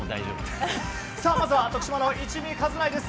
まずは徳島の一美和成です。